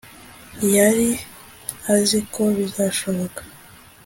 yari azi ko bizashoboka.